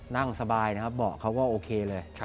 นั่งสบายนะครับเบาะเขาก็โอเคเลย